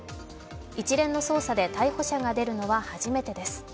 一連の捜査で逮捕者が出るのは初めてです。